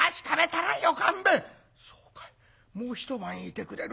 「そうかいもう一晩いてくれる。